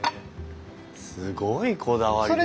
すごいこだわりですね。